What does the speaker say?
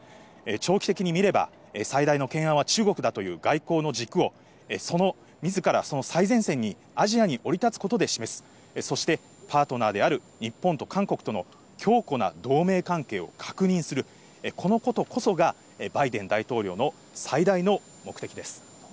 長期的に見れば、最大の懸案は中国だという外交の軸を、そのみずからその最前線に、アジアに降り立つことで示す、そして、パートナーである日本と韓国との強固な同盟関係を確認する、このことこそがバイデン大統領の最大の目的です。